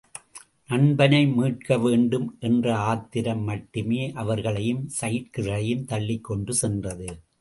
நண்பனை மீட்க வேண்டும் என்ற ஆத்திரம் மட்டுமே அவர்களையும் சைக்கிள்களையும் தள்ளிக்கொண்டு சென்றது.